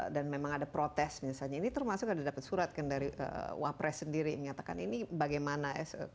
dan memang ada protes misalnya ini termasuk ada dapat surat kan dari wa press sendiri mengatakan ini bagaimana